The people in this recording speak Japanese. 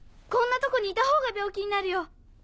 こんなとこにいたほうが病気になるよ！